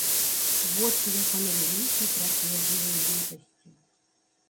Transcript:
Вочы яго наліліся драпежнаю лютасцю.